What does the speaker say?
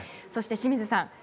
そして清水さん